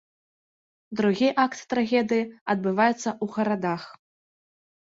Другі акт трагедыі адбываецца ў гарадах.